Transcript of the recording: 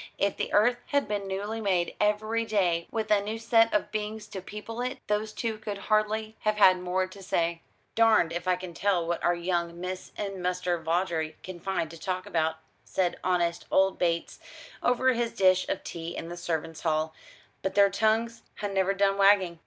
If the earth had been newly made every day, with a new set of beings to people it, those two could hardly have had more to say. "Darned if I can tell what our young Miss and Muster Vawdrey can find to talk about," said honest old Bates, over his dish of tea in the servants' hall; "but their tongues ha' never done wagging."